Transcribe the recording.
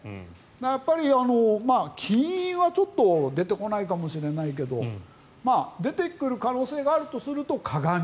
やっぱり金印はちょっと出てこないかもしれないけど出てくる可能性があるとすると鏡。